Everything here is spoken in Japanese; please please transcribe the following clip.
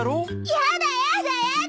やだやだやだ！